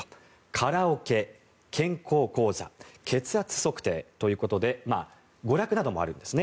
カラオケ、健康講座、血圧測定ということで娯楽などもあるんですね。